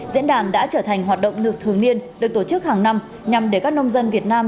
diễn đàn đã trở thành hoạt động được thường niên được tổ chức hàng năm nhằm để các nông dân việt nam